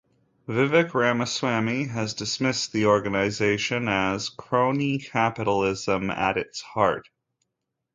Vivek Ramaswamy has dismissed the organization as "crony capitalism at its heart".